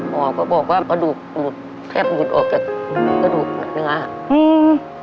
หมอก็บอกว่ากระดูกหมืดแคบหมืดอกจากกระดูกรึงะ